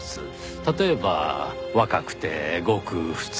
例えば若くてごく普通の。